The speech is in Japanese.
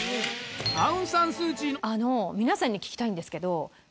ピンポンあの皆さんに聞きたいんですけど。